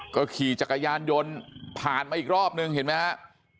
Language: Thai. ก็ขี่จักรยานยนต์ผ่านมาอีกรอบนึงเห็นไหมฮะ